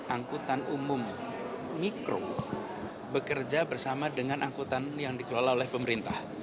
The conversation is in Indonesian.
angkutan umum mikro bekerja bersama dengan angkutan yang dikelola oleh pemerintah